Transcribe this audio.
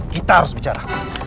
kita harus bicara